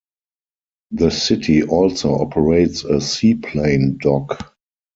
The city also operates a seaplane dock.